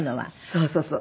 そうそうそう。